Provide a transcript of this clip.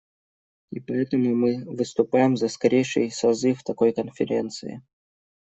И поэтому мы выступаем за скорейший созыв такой конференции.